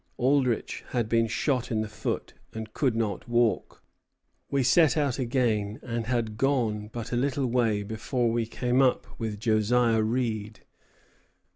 Aldrich had been shot in the foot, and could not walk. "We set out again, and had gone but a little way before we came up with Josiah Reed."